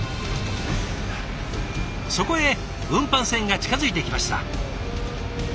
そこへ運搬船が近づいてきました。